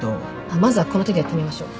まずはこの手でやってみましょう